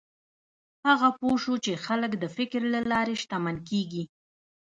هغه پوه شو چې خلک د فکر له لارې شتمن کېږي.